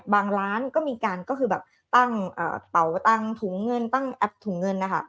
บางร้านก็มีการก็คือตั้งเตาตั้งภูมิเงินตั้งแอปถูงเงินนะครับ